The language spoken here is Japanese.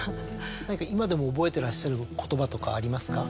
何か今でも覚えてらっしゃる言葉とかありますか？